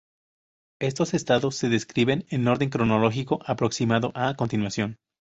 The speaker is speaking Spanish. Estos estados se describen, en orden cronológico aproximado, a continuación.